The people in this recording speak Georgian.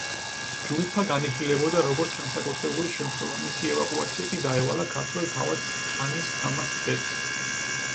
ჯულფა განიხილებოდა, როგორც განსაკუთრებული შემთხვევა; მისი ევაკუაცია კი დაევალა ქართველ თავადს, ჰანის თამაზ ბეკს.